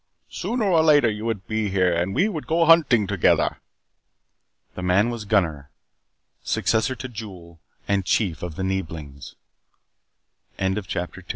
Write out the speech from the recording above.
Sooner or later you would be here and we would go hunting together." The man was Gunnar, successor to Jul, and Chief of the Neeblings! CHAPTER 3 Going to